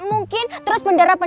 mungkin buat om